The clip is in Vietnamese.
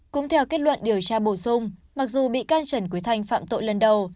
cũng theo kết luận điều tra bổ sung mặc dù bị can trần quý thanh phạm tội lần đầu